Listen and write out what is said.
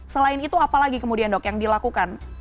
selain itu apa lagi kemudian dok yang dilakukan